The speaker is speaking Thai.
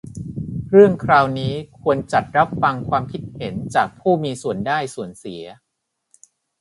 เรื่องนี้ควรจัดรับฟังความคิดเห็นจากผู้มีส่วนได้ส่วนเสีย